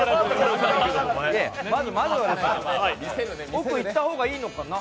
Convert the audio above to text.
奥いった方がいいのかな。